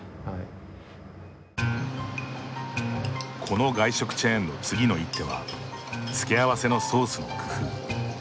この外食チェーンの次の一手は付け合わせのソースの工夫。